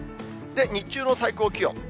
日中の最高気温。